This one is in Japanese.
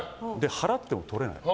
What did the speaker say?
払っても取れない。